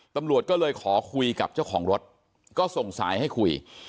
ตำรวจก็เลยขอคุยกับเจ้าของรถก็ส่งสายให้คุย